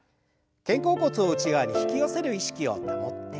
肩甲骨を内側に引き寄せる意識を保って。